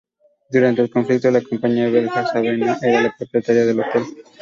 Durante el conflicto, la compañía belga Sabena era la propietaria del hotel.